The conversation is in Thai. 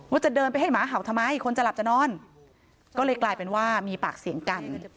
ว่าจะเดินไปให้หมาเห่าทำไมคนจะหลับจะนอนก็เลยกลายเป็นว่ามีปากเสียงกัน